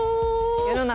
世の中